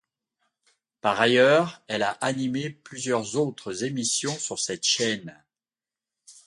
Par ailleurs, elle a animé plusieurs autres émissions sur cette chaîne.